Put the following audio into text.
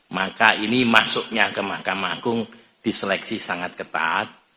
maka ini masuknya ke mahkamah agung diseleksi sangat ketat